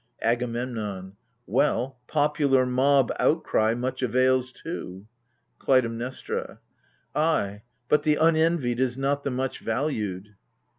AGAMEMNON. Well, popular mob outcry much avails too ! KLUTAIMNESTRA. Ay, but the unenvied is not the much valued.